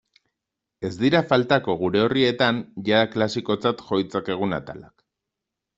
Ez dira faltako gure orrietan jada klasikotzat jo ditzakegun atalak.